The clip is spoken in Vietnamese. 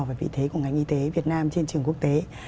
và vị thế của ngành y tế việt nam trên trường quốc tế